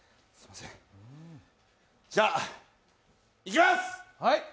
じゃ、いきます！